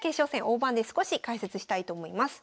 大盤で少し解説したいと思います。